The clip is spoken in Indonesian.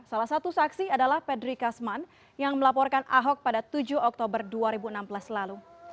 salah satu saksi adalah pedri kasman yang melaporkan ahok pada tujuh oktober dua ribu enam belas lalu